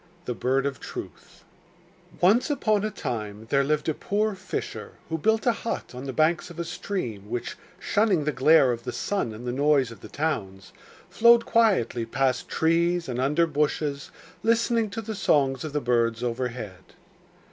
] The Bird of Truth Once upon a time there lived a poor fisher who built a hut on the banks of a stream which, shunning the glare of the sun and the noise of the towns, flowed quietly past trees and under bushes, listening to the songs of the birds overhead.